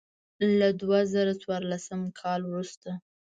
له دوه زره څوارلسم کال وروسته.